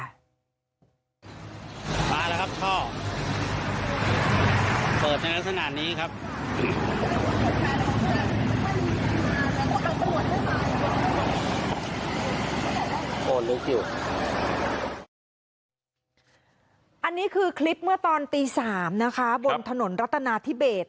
อันนี้คือคลิปเมื่อตอนตี๓นะคะบนถนนรัตนาธิเบส